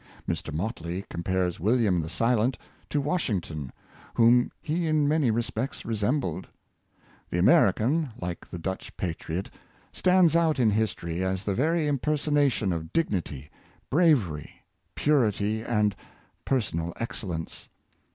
Mr. Motley compares William the Silent to Wash ington, whom he in many respects resembled. The American, like the Dutch patriot, stands out in history as the very impersonation of dignity, bravery, purity, and personal excellence.